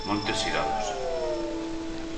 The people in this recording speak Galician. Montes irados!